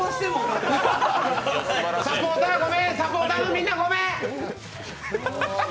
サポーターのみんな、ごめん！